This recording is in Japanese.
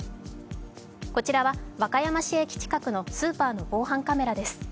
こちらは和歌山市駅近くのスーパーの防犯カメラです。